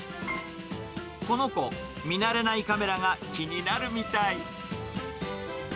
この子、見慣れないカメラが気になるみたい。